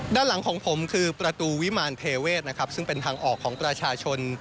ด้านหลังของผมคือประตูวิมารเทเวศนะครับซึ่งเป็นทางออกของประชาชน